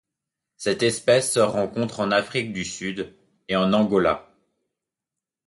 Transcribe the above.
Cette espèce se rencontre en Afrique du Sud et en Angola.